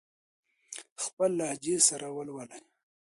خپل لهجې سره ولولئ.